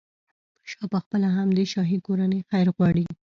شاه پخپله هم د شاهي کورنۍ خیر غواړي.